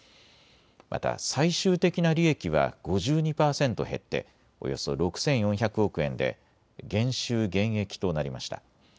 また最終的な利益は５２％減っておよそ６４００億円で減収減益となりました。